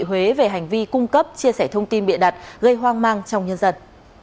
huế về hành vi cung cấp chia sẻ thông tin bịa đặt gây hoang mang trong nhân dân